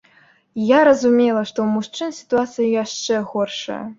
Я разумела, што ў мужчын сітуацыя яшчэ горшая.